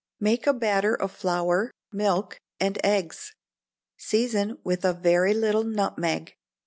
Make a batter of flour, milk, and eggs; season with a very little nutmeg.